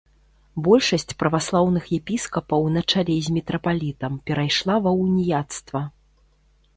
Большасць праваслаўных епіскапаў на чале з мітрапалітам перайшла ва уніяцтва.